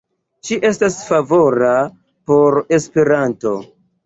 Ŝi estas favora por Esperanto.